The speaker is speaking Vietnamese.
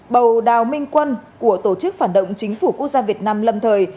bầu đào minh quân của tổ chức phản động chính phủ quốc gia việt nam lâm thời